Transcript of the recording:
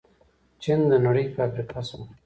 چین د نړۍ فابریکه شوه.